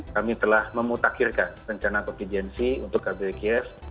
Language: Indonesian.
kami telah memutakhirkan rencana konfidensi untuk kbri kief